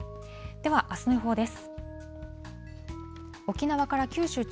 ではあすの予報です。